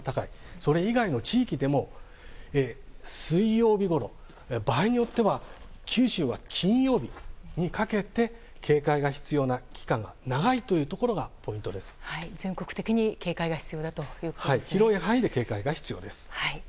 それ以外の地域でも水曜日ごろ場合によっては九州は金曜日にかけて警戒が必要な期間が長いというところが全国的に広い範囲で警戒が必要です。